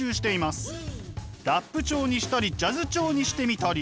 ラップ調にしたりジャズ調にしてみたり。